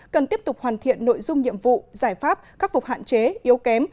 cần tiếp tục hoàn thiện nội dung nhiệm vụ giải pháp khắc phục hạn chế yếu kém